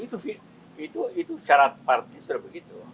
itu syarat partnya sudah begitu